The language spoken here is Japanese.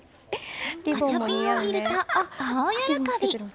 ガチャピンを見ると、大喜び！